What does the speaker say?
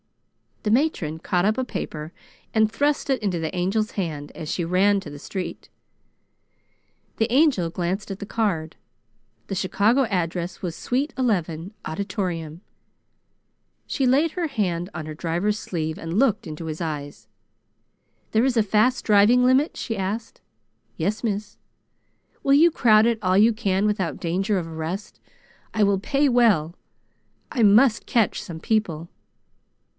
The matron caught up a paper and thrust it into the Angel's hand as she ran to the street. The Angel glanced at the card. The Chicago address was Suite Eleven, Auditorium. She laid her hand on her driver's sleeve and looked into his eyes. "There is a fast driving limit?" she asked. "Yes, miss." "Will you crowd it all you can without danger of arrest? I will pay well. I must catch some people!"